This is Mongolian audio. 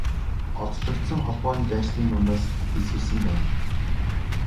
Олзлогдсон холбооны дайчдын дундаас элсүүлсэн байна.